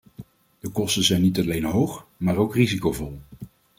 De kosten zijn niet alleen hoog, maar ook risicovol.